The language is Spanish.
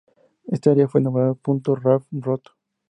Esta área fue nombrada Punto Raft Roto.